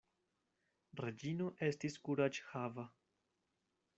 Reĝino estis kuraĝhava.